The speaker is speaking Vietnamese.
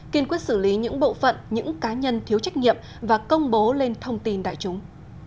kiên quyết xử lý những bộ phận những cá nhân thiếu trách nhiệm và công bố lên thông tin đại chúng